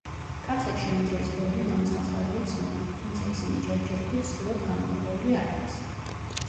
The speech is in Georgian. კახეთში ამ დროის ბევრი ნამოსახლარია ცნობილი, თუმცა ისინი ჯერჯერობით სრულად გამოკვლეული არ არის.